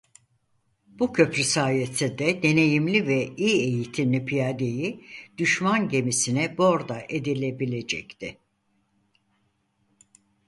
Bu köprü sayesinde deneyimli ve iyi eğitimli piyadeyi düşman gemisine borda edilebilecekti.